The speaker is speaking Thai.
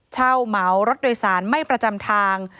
เหมารถโดยสารไม่ประจำทาง